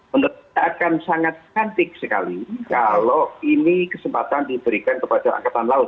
menurut saya akan sangat cantik sekali kalau ini kesempatan diberikan kepada angkatan laut